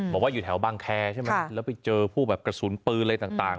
บอกว่าอยู่แถวบังแครใช่มั้ยแล้วไปเจอผู้กระสุนปืนอะไรต่าง